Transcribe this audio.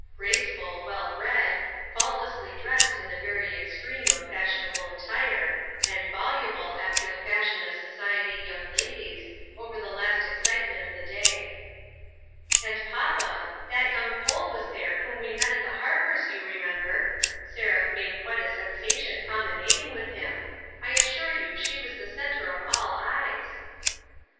Graceful, well bred, faultlessly dressed in the very extreme of fashionable attire, and voluble after the fashion of society young ladies, over the last excitement of the day. "And, papa, that young Pole was there whom we met at the Harpers, you remember. Seraph made quite a sensation promenading with him. I assure you she was the center of all eyes."